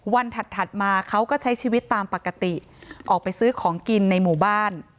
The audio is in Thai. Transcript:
ถัดมาเขาก็ใช้ชีวิตตามปกติออกไปซื้อของกินในหมู่บ้าน